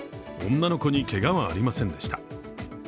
女の子にけがはありませんでした。